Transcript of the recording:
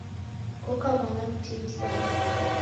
Koka mwana mtini sana.